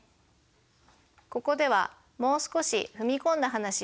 ここではもう少し踏み込んだ話をしたいと思います。